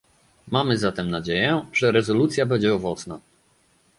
Mamy zatem nadzieję, że rezolucja będzie owocna